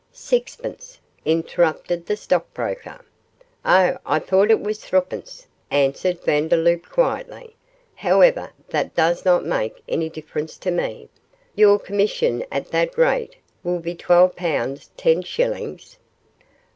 'Sixpence,' interrupted the stockbroker. 'Oh, I thought it was threepence,' answered Vandeloup, quietly; 'however, that does not make any difference to me. Your commission at that rate will be twelve pounds ten shillings?